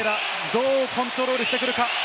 どうコントロールしてくるか。